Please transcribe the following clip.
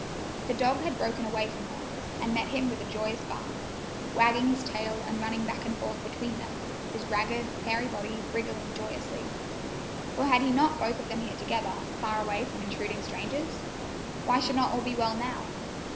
The dog had broken away from her and met him with a joyous bark, wagging his tail and running back and forth between them, his ragged, hairy body wriggling joyously; for had he not both of them here together, far away from intruding strangers? Why should not all be well now?